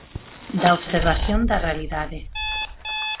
Da observación da realidade.